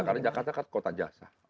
karena jakarta kan kota jasa